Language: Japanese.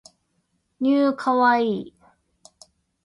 new kawaii